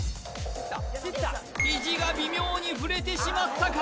ひじが微妙に触れてしまったか？